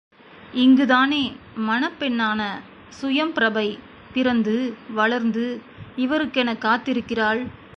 இங்குதானே மணப்பெண்ணான சுயம்பிரபை பிறந்து வளர்ந்து இவருக்கெனக் காத்திருக்கிறாள்.